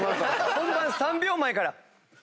本番３秒前から。